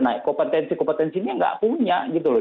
nah kompetensi kompetensinya nggak punya gitu loh